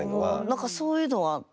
何かそういうのは多分。